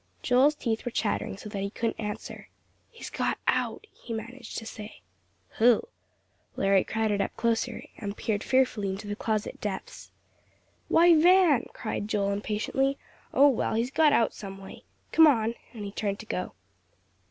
Joel's teeth were chattering so that he couldn't answer. "He's got out," he managed to say. "Who?" Larry crowded up closer and peered fearfully into the closet depths. "Why, Van," cried Joel, impatiently; "oh, well, he's got out some way. Come on," and he turned to go.